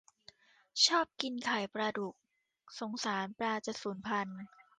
ชอบกินไข่ปลาดุก สงสารปลาจะสูญพันธุ์